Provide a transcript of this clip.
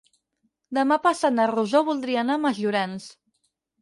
Demà passat na Rosó voldria anar a Masllorenç.